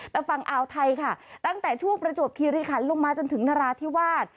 แต่ฝั่งอ่าวไทยค่ะตั้งแต่ช่วงประจวบคิริคันลงมาจนถึงนราธิวาส